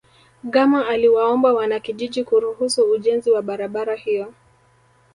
gama aliwaomba wanakijiji kuruhusu ujenzi wa barabara hiyo